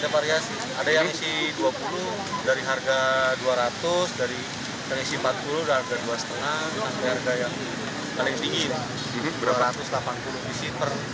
variasi ada yang isi dua puluh dari harga dua ratus dari yang isi empat puluh dari harga dua lima ada yang paling tinggi dua ratus delapan puluh visi per dua puluh delapan visi